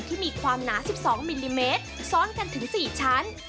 ที่มีความหนา๑๒มิลลิเมตรซ้อนกันถึง๔ชั้น